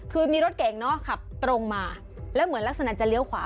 คือมีรถเก่งเนอะขับตรงมาแล้วเหมือนลักษณะจะเลี้ยวขวา